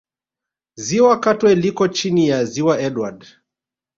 Ziwa Katwe liko chini ya Ziwa Edward